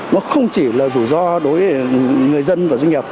nó không chỉ là rủi ro đối với người dân và doanh nghiệp